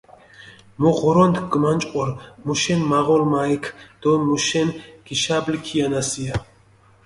მუ ღორონთქ გჷმანჭყორ, მუშენ მაღოლ მა ექ დო მუშენ გიშაბლი ქიანასია.